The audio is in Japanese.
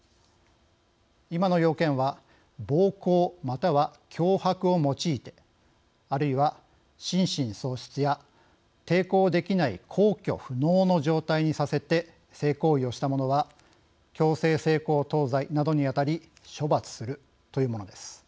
今の要件は暴行または脅迫を用いてあるいは心神喪失や抵抗できない抗拒不能の状態にさせて性行為をした者は強制性交等罪などにあたり処罰するというものです。